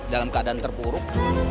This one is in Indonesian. dalam keadaan terpuruk